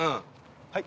はい。